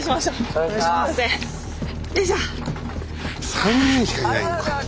３人しかいないのか。